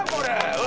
うわ！